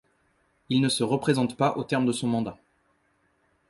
Il ne se représente pas au terme de son mandat.